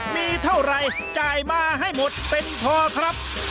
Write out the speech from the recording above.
มีเท่าไรจ่ายมาให้หมดเป็นพอครับ